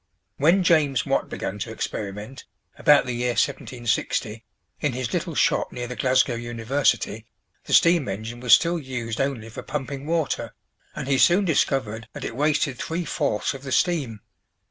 When James Watt began to experiment, about the year 1760, in his little shop near the Glasgow University, the steam engine was still used only for pumping water, and he soon discovered that it wasted three fourths of the steam.